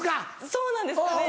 そうなんですかね？